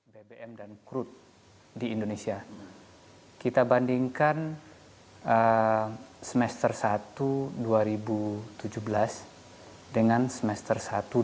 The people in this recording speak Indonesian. bbm dan kru di indonesia kita bandingkan semester satu dua ribu tujuh belas dengan semester satu dua ribu